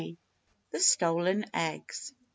THE STOLEN EGGS MR.